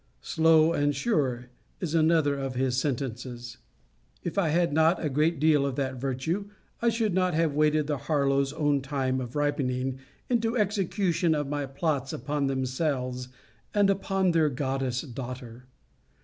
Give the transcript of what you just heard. Slow and sure, is another of his sentences. If I had not a great deal of that virtue, I should not have waited the Harlowes own time of ripening into execution my plots upon themselves and upon their goddess daughter.